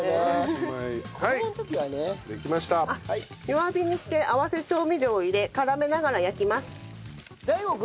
弱火にして合わせ調味料を入れ絡めながら焼きます。